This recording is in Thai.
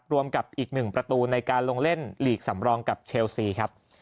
รวมกับอีก๑ประตูในการลงเล่นลีกสำรองกับเชลซีครับ